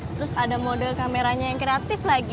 terus ada model kameranya yang kreatif lagi